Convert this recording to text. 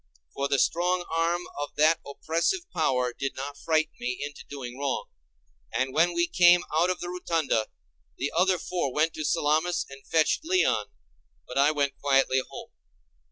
For the strong arm of that oppressive power did not frighten me into doing wrong; and when we came out of the rotunda the other four went to Salamis and fetched Leon, but I went quietly home.